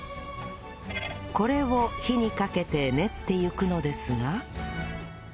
これを火にかけて練っていくのですが